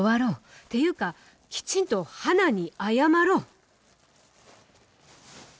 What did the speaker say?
っていうかきちんと花に謝ろう。